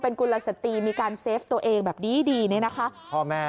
เป็นคุณละสตีมีการเซฟตัวเองแบบดีเนี่ยนะคะพ่อแม่